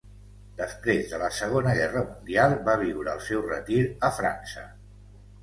Després de la Segona Guerra Mundial, va viure el seu retir a França.